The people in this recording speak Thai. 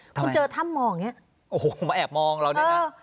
คุณเจอถ้ำมองอย่างนี้โอ้โหมาแอบมองเราเนี่ยนะ